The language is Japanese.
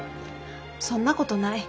そんなことない。